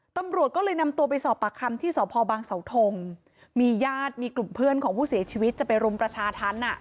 ตำรวจก็เลยนำตัวไปสอบปากคำที่สพบางเสาทงมีญาติมีกลุ่มเพื่อนของผู้เสียชีวิตจะไปรุมประชาธรรมอ่ะ